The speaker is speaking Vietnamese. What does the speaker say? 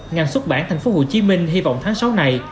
ngành xuất bản tp hcm hy vọng tháng sáu này